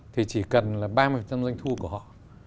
thì chỉ cần là ba mươi doanh thu của họ